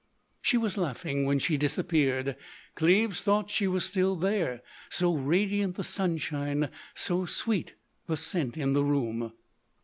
She was laughing when she disappeared. Cleves thought she was still there, so radiant the sunshine, so sweet the scent in the room.